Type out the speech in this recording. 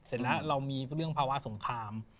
เสร็จแล้วเรามีเรื่องภาวะสงคราม